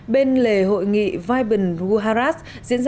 bên lề hội nghị vipin guharat